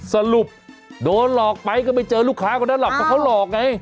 สรุปโดนหลอกไปก็ไม่เจอลูกค้าคนนั้นหรอกเพราะเขาหลอกไง